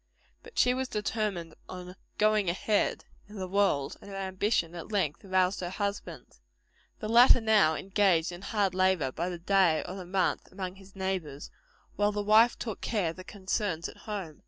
But she was determined on "going ahead" in the world; and her ambition at length roused her husband. The latter now engaged in hard labor, by the day or the month, among his neighbors; while the wife took care of the concerns at home.